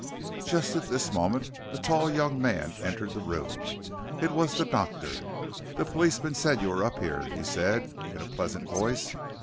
Just at this moment a tall young man entered the room. It was the doctor. "The policemen said you were up here," he said in a pleasant voice.